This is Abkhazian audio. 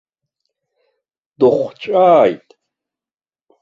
Дыхәҵәааит.